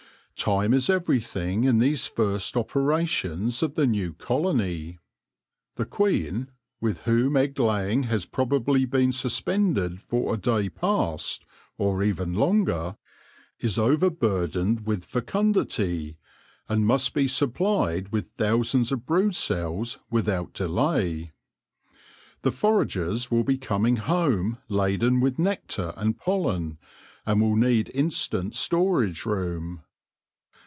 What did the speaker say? Time is everything in these first operations of the new colony. The queen, with whom egg laying has probably been suspended for a day 138 THE LORE OF THE HONEY BEE past, or even longer, is overburdened with fecundity, and must be supplied with thousands of brood cells without delay. The foragers will be coming home laden with nectar and pollen, and will need instant storage room.